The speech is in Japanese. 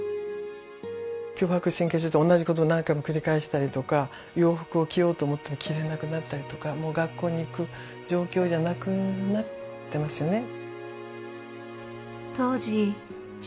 強迫神経症って同じことを何回も繰り返したりとか洋服を着ようと思っても着られなくなったりとかもう学校に行く状況じゃなくなってますよね。